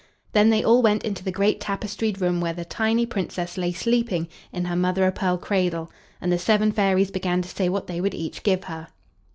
Then they all went into the great tapestried room where the tiny Princess lay sleeping in her mother o' pearl cradle, and the seven fairies began to say what they would each give her.